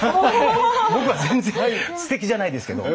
僕は全然すてきじゃないですけど。